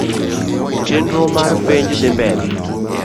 Chenro mar penj dhi mbele